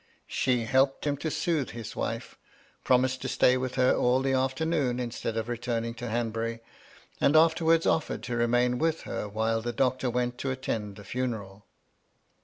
She helped him to soothe his wife, promised to stay with her all the afternoon instead of retummg to Hanbury, and afterwards offered to remain with her while the Doctor went to attend the ftmeral.